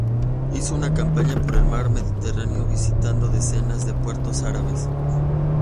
Hizo una campaña por el mar Mediterráneo, visitando decenas de puertos árabes.